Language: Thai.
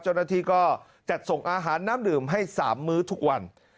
เจ้าหน้าที่ก็จัดส่งอาหารน้ำดื่มให้๓มื้อทุกวัน